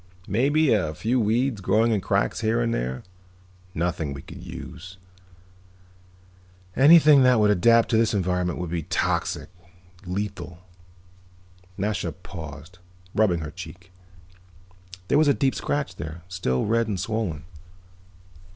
Maybe a few weeds growing in cracks here and there. Nothing we could use. Anything that would adapt to this environment would be toxic, lethal." Nasha paused, rubbing her cheek. There was a deep scratch there, still red and swollen.